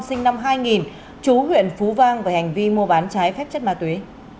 sinh năm hai nghìn chú huyện phú vang về hành vi mua bán trái phép chất ma túy